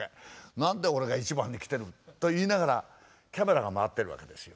「何で俺が一番に来てる？」と言いながらキャメラが回ってるわけですよ。